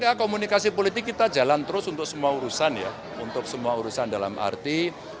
ya komunikasi politik kita jalan terus untuk semua urusan ya untuk semua urusan dalam arti